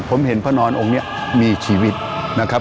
ผมเห็นพระนอนองค์นี้มีชีวิตนะครับ